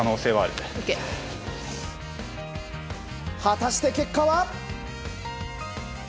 果たして結果は？